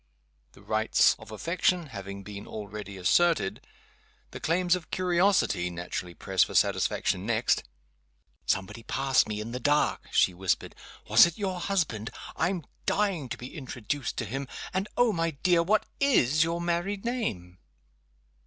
The rights of affection having been already asserted, the claims of curiosity naturally pressed for satisfaction next. "Somebody passed me in the dark," she whispered. "Was it your husband? I'm dying to be introduced to him. And, oh my dear! what is your married name?"